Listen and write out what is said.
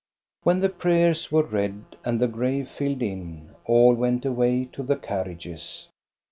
• When the prayers were read, and the grave filled in, all went away to the carriages.